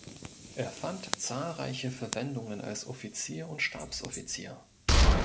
Er fand zahlreiche Verwendungen als Offizier und Stabsoffizier.